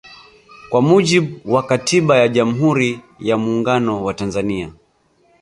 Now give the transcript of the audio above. Kwa mujibu wa katiba ya jamhuri ya Muungano wa Tanzania